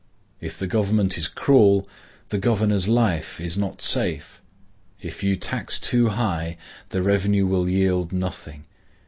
If the government is cruel, the governor's life is not safe. If you tax too high, the revenue will yield nothing.